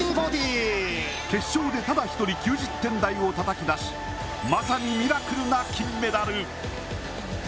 決勝でただ一人９０点台をたたき出しまさにミラクルな金メダル。